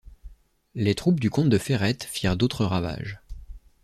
Les troupes du comte de Ferrette firent d'autres ravages.